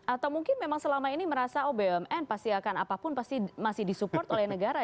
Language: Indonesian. atau mungkin memang selama ini merasa oh bumn pasti akan apapun pasti masih disupport oleh negara